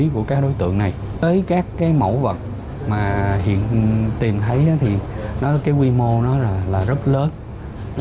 của các đối tượng này tới các cái mẫu vật mà hiện tìm thấy thì nó cái quy mô nó là rất lớn